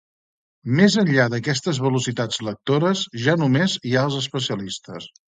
Més enllà d'aquestes velocitats lectores ja només hi ha els especialistes.